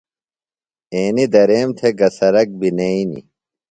اینیۡ دریم تھےۡ گہ سرک بیۡ نئینی۔